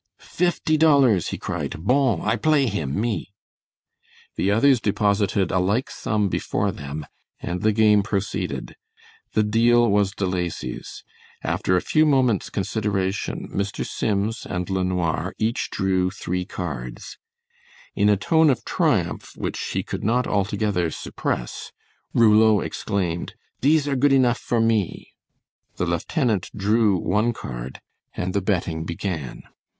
"Fifty dollars," he cried. "Bon! I play him, me!" The others deposited a like sum before them, and the game proceeded. The deal was De Lacy's. After a few moment's consideration, Mr. Sims and LeNoir each drew three cards. In a tone of triumph which he could not altogether suppress, Rouleau exclaimed "Dees are good enough for me." The lieutenant drew one card, and the betting began.